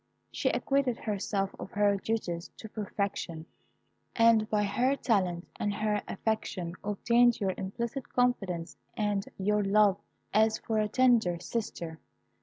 She acquitted herself of her duties to perfection, and by her talent and her affection obtained your implicit confidence and your love as for a tender sister.